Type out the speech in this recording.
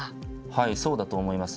はいそうだと思います。